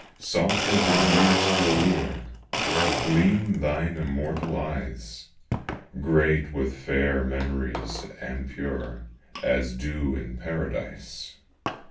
26 POESY. Softer than Hebe's to allure Gleam thine immortal eyes, Great with fair memories, and pure As dew in Paradise.